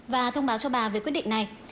và thông báo cho bà về quyết định này